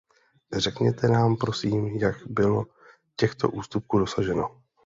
Řekněte nám prosím, jak bylo těchto ústupků dosaženo.